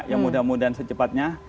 ya mudah mudahan secepatnya